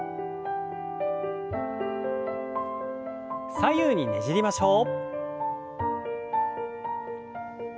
左右にねじりましょう。